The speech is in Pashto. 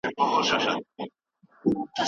هست ومه،